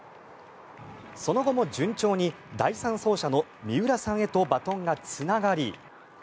その後も順調に第３走者の三浦さんへとバトンがつながり